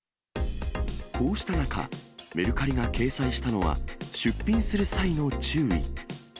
こうした中、メルカリが掲載したのは、出品する際の注意。